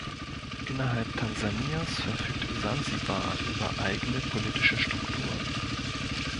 Innerhalb Tansanias verfügt Sansibar über eigene politische Strukturen.